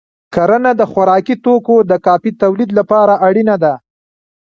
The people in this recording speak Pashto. کرنه د خوراکي توکو د کافی تولید لپاره اړینه ده.